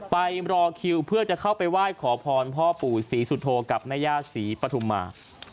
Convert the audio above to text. ไปรอคิวเพื่อจะเข้าไปไหว้ขอพรพ่อปู่ศรีสุโธกับแม่ย่าศรีปฐุมา